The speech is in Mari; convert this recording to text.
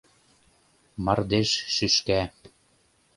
Мардеж шӱшка...